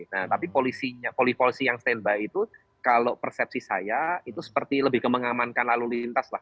nah tapi polisi yang standby itu kalau persepsi saya itu seperti lebih ke mengamankan lalu lintas lah